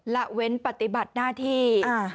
ละเว้นปฏิบัติหน้าที่